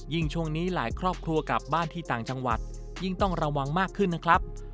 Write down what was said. ช่วงนี้หลายครอบครัวกลับบ้านที่ต่างจังหวัดยิ่งต้องระวังมากขึ้นนะครับ